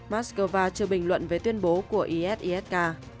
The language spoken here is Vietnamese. moscow chưa bình luận về tuyên bố của isisk